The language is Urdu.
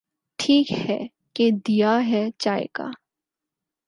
ٹھیک ہے کہ دیا ہے چائے کا۔۔۔